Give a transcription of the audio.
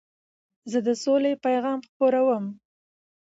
زه د سولي پیغام خپروم.